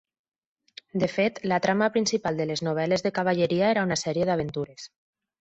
De fet, la trama principal de les novel·les de cavalleria era una sèrie d'aventures.